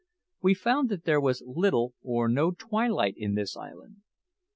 We found that there was little or no twilight in this island.